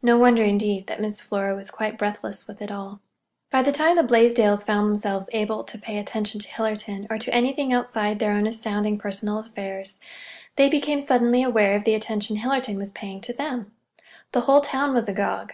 No wonder, indeed, that Miss Flora was quite breathless with it all. By the time the Blaisdells found themselves able to pay attention to Hillerton, or to anything outside their own astounding personal affairs, they became suddenly aware of the attention Hillerton was paying to them. The whole town was agog.